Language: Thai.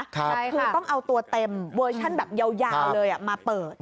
คือต้องเอาตัวเต็มเวอร์ชั่นแบบยาวเลยมาเปิด